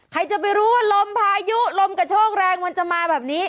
ใครจะไปรู้ว่าลมพายุลมกระโชกแรงมันจะมาแบบนี้